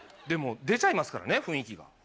でも出ちゃいますからね雰囲気が。